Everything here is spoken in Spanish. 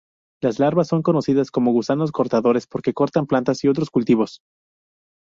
Las larvas son conocidas como gusanos cortadores porque cortan plantas y otros cultivos.